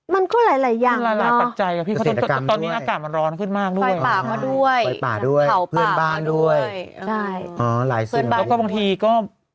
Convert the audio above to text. มันก็หลายอย่างเนอะประเศษฐกรรมด้วยฟ้ายป่ามาด้วยเผาป่ามาด้วยหลายสิ่งแล้วก็บางทีก็